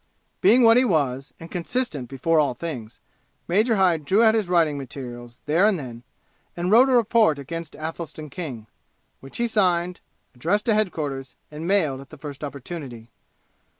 Being what he was, and consistent before all things, Major Hyde drew out his writing materials there and then and wrote a report against Athelstan King, which he signed, addressed to headquarters and mailed at the first opportunity.